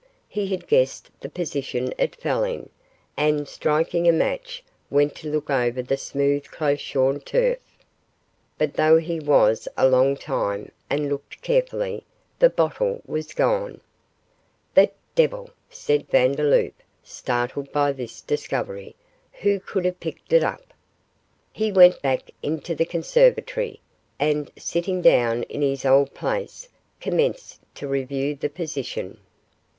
He had guessed the position it fell in, and, striking a match, went to look over the smooth close shorn turf. But though he was a long time, and looked carefully, the bottle was gone. 'The devil!' said Vandeloup, startled by this discovery. 'Who could have picked it up?' He went back into the conservatory, and, sitting down in his old place, commenced to review the position.